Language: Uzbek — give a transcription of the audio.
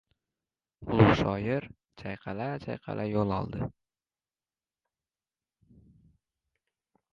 Ulug‘ shoir chayqala-chayqala yo‘l oldi.